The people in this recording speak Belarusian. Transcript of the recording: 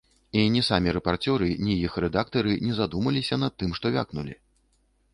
І ні самі рэпарцёры, ні іх рэдактары не задумаліся над тым, што вякнулі.